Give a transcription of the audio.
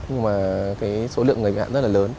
nhưng mà cái số lượng người bị nạn rất là lớn